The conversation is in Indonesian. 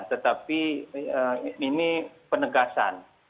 tetapi ini penegasan